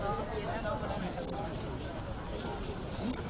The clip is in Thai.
นักโมทรัพย์ภักวะโตอาระโตสัมมาสัมพุทธศาสตร์